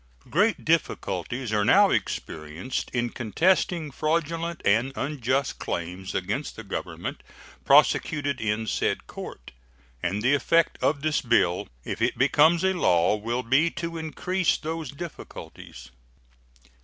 Great difficulties are now experienced in contesting fraudulent and unjust claims against the Government prosecuted in said court, and the effect of this bill, if it becomes a law, will be to increase those difficulties.